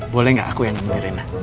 boleh nggak aku yang temenin rena